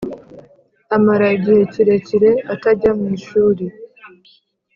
amara igihe kirekire atajya mu ishuri,